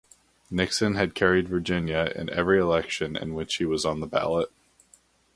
Nixon had carried Virginia in every election in which he was on the ballot.